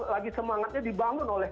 lagi semangatnya dibangun oleh